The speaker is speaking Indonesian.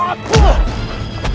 rainer udah datang